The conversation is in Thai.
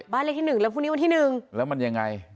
บ้านเลขที่หนึ่งแล้วพรุ่งนี้วันที่๑แล้วมันยังไง